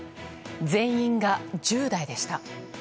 全員が１０代でした。